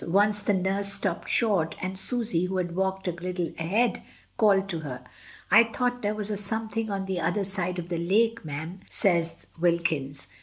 Once the nurse stopped short, and Susy, who had walked a little ahead, called to her. "I thought there was a something on the other side of the lake, mem," says Wilkins.